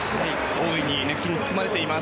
大いに熱気に包まれています。